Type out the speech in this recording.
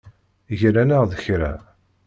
Gran-aɣ-d kra.